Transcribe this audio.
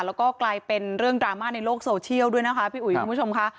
แล้วก็กลายเป็นเรื่องดราม่าในโลกโซเชียลด้วยนะคะพี่อุ๋ยคุณผู้ชมค่ะ